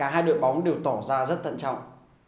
hai đội bóng đều tỏ ra rất tận trọng